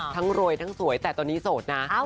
รวยทั้งสวยแต่ตอนนี้โสดนะ